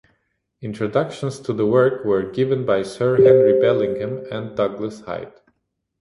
Introductions to the works were given by Sir Henry Bellingham and Douglas Hyde.